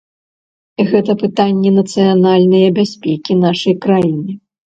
Гэта пытанні нацыянальнае бяспекі нашай краіны.